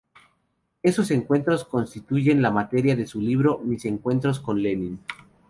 Esos encuentros constituyen la materia de su libro "Mis encuentros con Lenin".